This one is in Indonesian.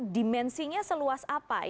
dimensinya seluas apa